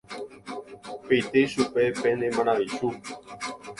Peity chupe pene maravichu.